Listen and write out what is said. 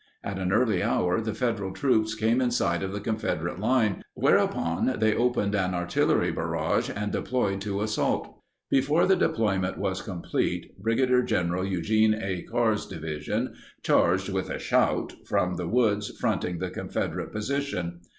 At an early hour the Federal troops came in sight of the Confederate line, whereupon they opened an artillery barrage and deployed to assault. Before the deployment was complete, Brig. Gen. Eugene A. Carr's Division charged "with a shout" from the woods fronting the Confederate position.